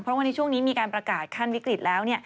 เพราะว่าในช่วงนี้มีการประกาศขั้นวิกฤตแล้ว